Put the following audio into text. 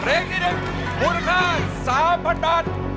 เพลงที่๑มูลค่า๓๐๐๐บาท